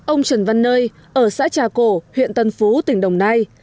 ông trần văn nơi ở xã trà cổ huyện tân phú tỉnh đồng nai